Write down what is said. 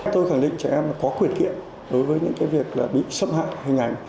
tôi khẳng định trẻ em có quyền kiện đối với những việc bị xâm hại hình ảnh